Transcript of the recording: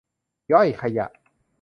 ย่อยขยะ